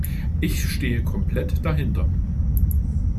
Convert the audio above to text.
Ich stehe komplett dahinter.